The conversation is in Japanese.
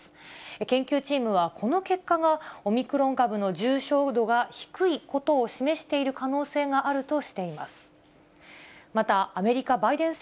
研究チームは、この結果がオミクロン株の重症度が低いことを示している可能性があるとしています。